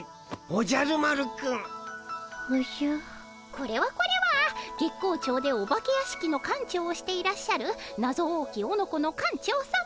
これはこれは月光町でお化け屋敷の館長をしていらっしゃるなぞ多きオノコの館長さま。